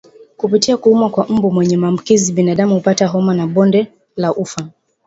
Kupitia kuumwa na mbu mwenye maambukizi binadamu hupata homa ya bonde la ufa